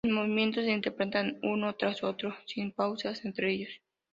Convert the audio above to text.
Los movimientos se interpretan uno tras otro, sin pausas entre ellos.